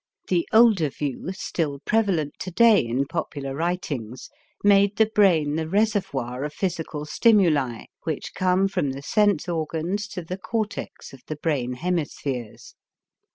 The older view, still prevalent to day in popular writings, made the brain the reservoir of physical stimuli, which come from the sense organs to the cortex of the brain hemispheres.